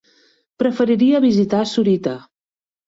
Preferiria visitar Sorita.